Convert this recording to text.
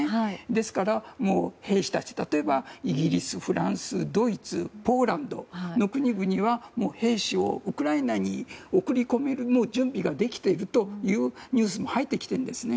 ですから、兵士たち例えばイギリス、フランスドイツ、ポーランドといった国々は兵士をウクライナに送り込める準備ができているというニュースも入ってきているんですね。